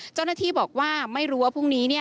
เจ้าหน้าที่บอกว่าไม่รู้ว่าพรุ่งนี้